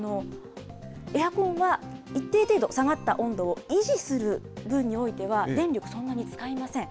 エアコンは一定程度下がった温度を維持する分においては、電力そんなに使いません。